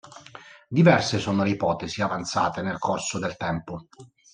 Diverse sono le ipotesi avanzate nel corso del tempo.